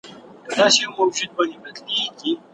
مورنۍ ژبه څنګه د زده کړې فهم ژوروي؟